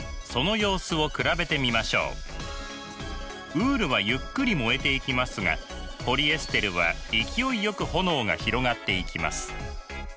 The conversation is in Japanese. ウールはゆっくり燃えていきますがポリエステルは勢いよく炎が広がっていきます。